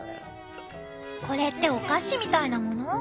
これってお菓子みたいなもの？